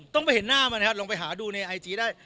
ต้องไปเห็นหน้ามันนะครับลองไปหาดูในไอจีได้